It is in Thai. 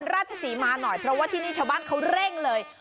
ราชศรีมาหน่อยเพราะว่าที่นี่ชาวบ้านเขาเร่งเลย